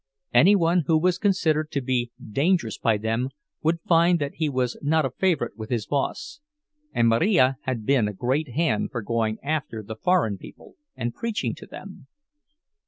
Any one who was considered to be dangerous by them would find that he was not a favorite with his boss; and Marija had been a great hand for going after the foreign people and preaching to them.